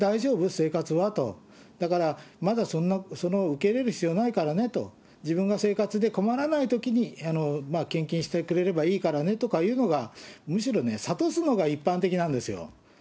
生活はと、だから、まだそんな受け入れる必要ないからねと、自分が生活で困らないときに、献金してくれればいいからねとか言うのが、むしろね、諭すのが一般的なんですよ。